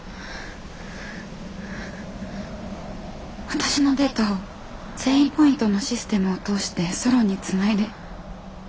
私のデータを善意ポイントのシステムを通してソロンにつないで。